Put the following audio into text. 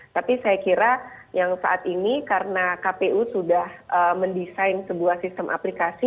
tapi saya kira yang saat ini karena kpu sudah mendesain sebuah sistem aplikasi